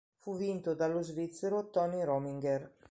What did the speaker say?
Fu vinto dallo svizzero Tony Rominger.